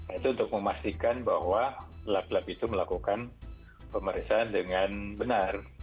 itu untuk memastikan bahwa lab lab itu melakukan pemeriksaan dengan benar